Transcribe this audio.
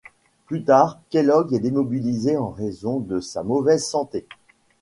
Plus tard, Kellogg est démobilisé en raison de sa mauvaise santé.